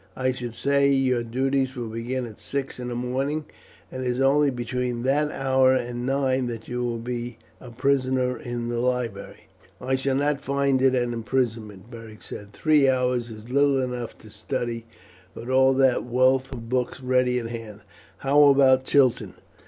I should say your duties will begin at six in the morning, and it is only between that hour and nine that you will be a prisoner in the library." "I shall not find it an imprisonment," Beric said. "Three hours is little enough to study, with all that wealth of books ready at hand. How about Chiton?"